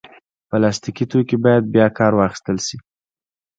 پلاستيکي توکي باید بیا کار واخیستل شي.